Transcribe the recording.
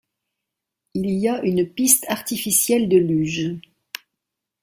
Il y a une piste artificielle de luge.